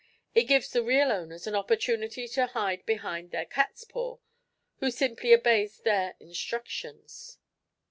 It gives the real owners an opportunity to hide behind their catspaw, who simply obeys their instructions."